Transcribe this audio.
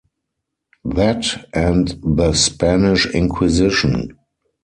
That and the Spanish Inquisition.